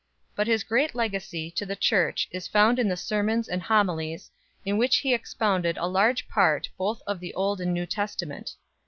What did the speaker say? But his greatest legacy to the Church is found in the sermons and homilies, in which he expounded a large part both of the Old and the New Testament.